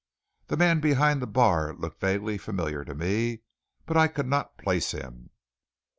The man behind the bar looked vaguely familiar to me, but I could not place him.